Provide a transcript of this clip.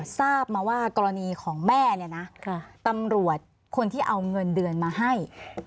ทราบมาว่ากรณีของแม่เนี่ยนะตำรวจคนที่เอาเงินเดือนมาให้